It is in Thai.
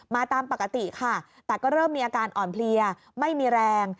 ตามปกติค่ะแต่ก็เริ่มมีอาการอ่อนเพลียไม่มีแรง